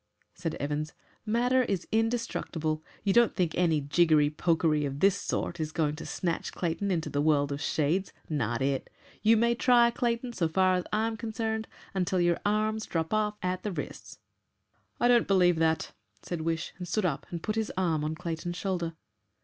said Evans. "Matter is indestructible. You don't think any jiggery pokery of this sort is going to snatch Clayton into the world of shades. Not it! You may try, Clayton, so far as I'm concerned, until your arms drop off at the wrists." "I don't believe that," said Wish, and stood up and put his arm on Clayton's shoulder.